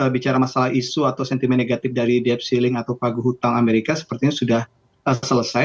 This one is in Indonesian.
bicara masalah isu atau sentimen negatif dari debt ceiling atau pagu hutang amerika sepertinya sudah selesai